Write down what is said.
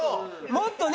もっとね。